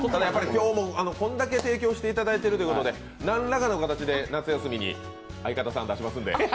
今日もこれだけ提供していただいているということで何らかの形で夏休みに相方さん出しますんで。